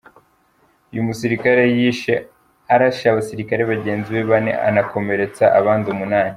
Uyu musirikare yishe arashe abasirikare bagenzi be bane anakomeretsa abandi umunani.